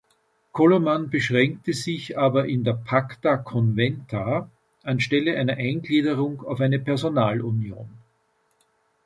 Koloman beschränkte sich aber in der "„Pacta conventa“" anstelle einer Eingliederung auf eine Personalunion.